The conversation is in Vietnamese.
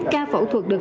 ca phẫu thuật được